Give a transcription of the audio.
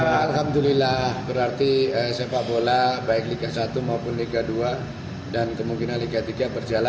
alhamdulillah berarti sepak bola baik liga satu maupun liga dua dan kemungkinan liga tiga berjalan